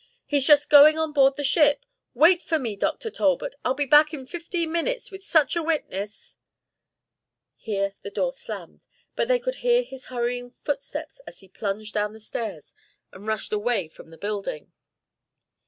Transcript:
he's just going on board the ship. Wait for me, Dr. Talbot. I'll be back in fifteen minutes with such a witness " Here the door slammed. But they could hear his hurrying footsteps as he plunged down the stairs and rushed away from the building.